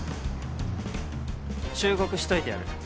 忠告しといてやる。